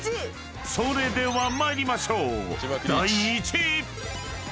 ［それでは参りましょう］